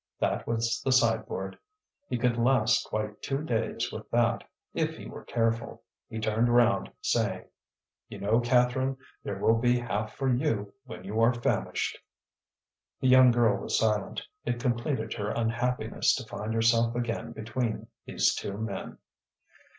That was the sideboard; he could last quite two days with that, if he were careful. He turned round saying: "You know, Catherine, there will be half for you when you are famished." The young girl was silent. It completed her unhappiness to find herself again between these two men.